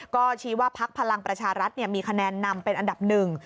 ก็ชี้ว่าพักพลังประชารัฐมีคะแนนนำเป็นอันดับหนึ่ง